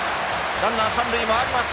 ランナー、三塁回ります。